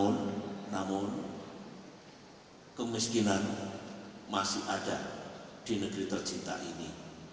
namun kemiskinan masih ada di negeri tercinta ini